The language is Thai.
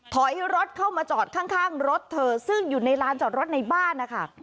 ถอยรถเข้ามาจอดข้างรถเธอซึ่งอยู่ในลานจอดรถในบ้านนะคะ